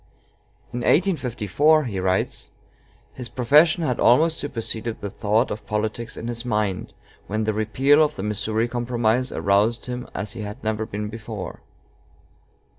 "In 1854," he writes, "his profession had almost superseded the thought of politics in his mind, when the repeal of the Missouri Compromise aroused him as he had never been before."